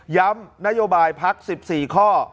ย้ำนโยบายภักดิ์๑๔ข้อ